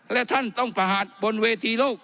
และท่านต้องประหารบนเวทีโลก